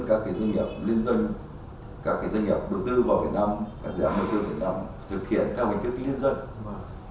các doanh nghiệp vừa và nhỏ của việt nam các doanh nghiệp vừa và nhỏ của việt nam